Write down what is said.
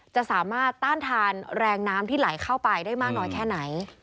จะสามารถต้านทานแรงน้ำที่ไหลเข้าไปได้มากน้อยแค่ไหน